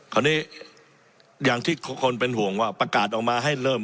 คราวนี้อย่างที่คนเป็นห่วงว่าประกาศออกมาให้เริ่ม